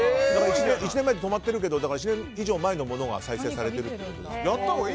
１年前で止まってるけど１年以上前のものが再生されてるってことですよ。